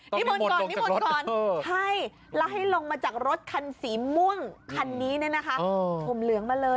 นี่หมดก่อนนี่หมดก่อนใช่แล้วให้ลงมาจากรถคันสีมุ่งคันนี้นะคะผมเหลืองมาเลย